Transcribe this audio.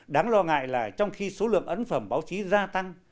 đáng lo ngại là trong khi số lượng ấn phẩm báo chí gia tăng